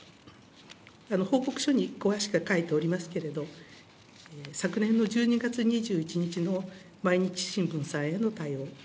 報告書に詳しく書いておりますけれども、昨年の１２月２１日の毎日新聞さんへの対応。